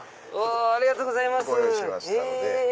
ありがとうございます。